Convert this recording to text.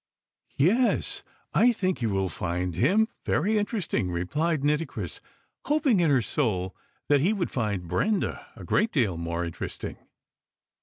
"Yes; I think you will find him very interesting," replied Nitocris, hoping in her soul that he would find Brenda a great deal more interesting.